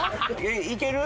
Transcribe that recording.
いける？